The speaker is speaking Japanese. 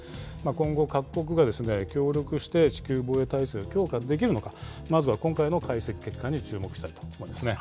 今後、各国が協力して、地球防衛体制を強化できるのか、まずは今回の解析結果に注目したいと思いますね。